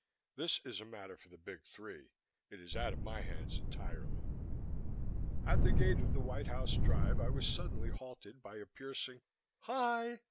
This is a matter for the Big Three. It is out of my hands entirely." At the gate of the White House drive I was suddenly halted by a piercing "Hi!"